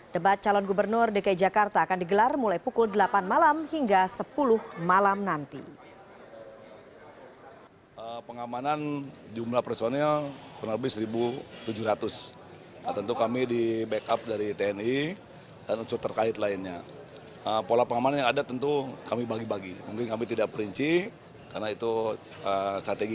debat calon gubernur dki jakarta akan digelar mulai pukul delapan malam hingga sepuluh malam nanti